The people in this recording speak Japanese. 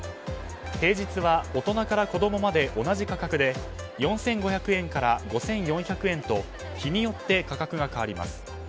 平日は大人から子供まで同じ価格で４５００円から５４００円と日によって価格が変わります。